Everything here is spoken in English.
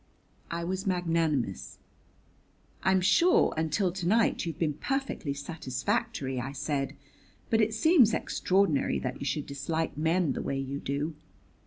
I was magnanimous. "I'm sure, until to night, you've been perfectly satisfactory," I said; "but it seems extraordinary that you should dislike men the way you do."